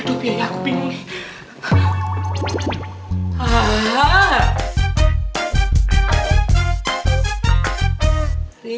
aduh biaya aku pingin